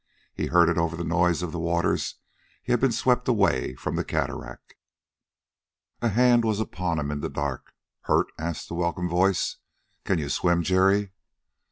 He heard it over the noise of the waters he had been swept away from the cataract. A hand was upon him in the dark. "Hurt?" asked the welcome voice. "Can you swim, Jerry?"